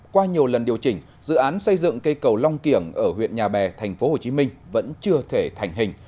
qua nhiều lần điều chỉnh dự án xây dựng cây cầu long kiểng ở huyện nhà bè tp hcm vẫn chưa thể thành hình